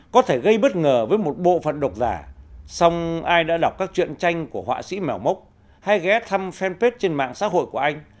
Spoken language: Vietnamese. có thể gây bất ngờ với một bộ phận độc giả song ai đã đọc các chuyện tranh của họa sĩ mèo mốc hay ghé thăm fanpage trên mạng xã hội của anh